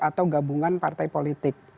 atau gabungan partai politik